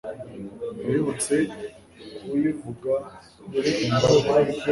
abibutse kuyivuga ni mbarwa